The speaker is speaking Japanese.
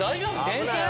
電線。